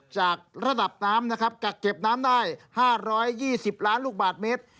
จากระดับน้ำนะครับกักเก็บน้ำได้๕๒๐ล้านลูกบาทเมตร